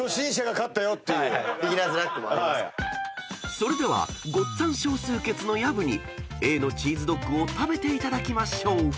［それではごっつぁん少数決の薮にＡのチーズドッグを食べていただきましょう］